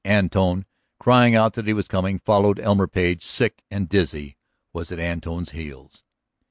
Antone, crying out that he was coming, followed. Elmer Page, sick and dizzy, was at Antone's heels.